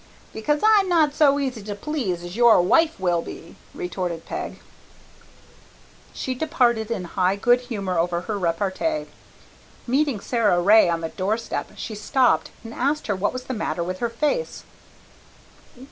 "Because I'm not so easy to please as your wife will be," retorted Peg. She departed in high good humour over her repartee. Meeting Sara Ray on the doorstep she stopped and asked her what was the matter with her face.